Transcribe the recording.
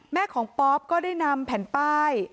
แม่ของป๊อปก็ได้นำแผ่นป้าย